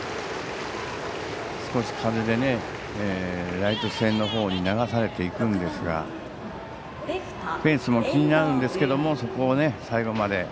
少し風でライト線の方に流されていくんですがフェンスも気になるんですけどもそこを最後まで。